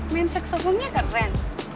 men seksualnya keren